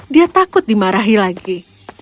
dia takut dimarahi lagi